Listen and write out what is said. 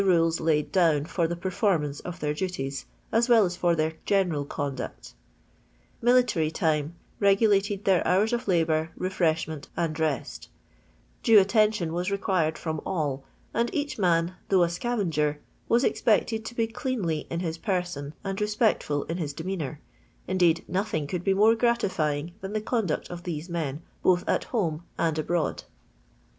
rules kid down for the performance of their duties, as well as for their general conduct ' Military time' regulated their hours of labour, refreshment, and rest ; due attention was required firom all ; and each man (though a scavenger) was expected to be cleanly in his person, and respectful in his demeanour; indeed, nothing could be more gratifying than the conduct of these. men, both at home and abroad."